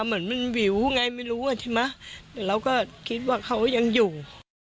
เหมือนมันวิวไงไม่รู้อ่ะใช่ไหมแต่เราก็คิดว่าเขายังอยู่